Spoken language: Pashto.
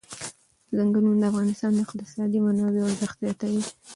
چنګلونه د افغانستان د اقتصادي منابعو ارزښت زیاتوي.